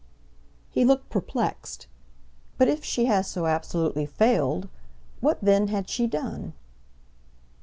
He looked perplexed. "But if she has so absolutely failed, what then had she done?"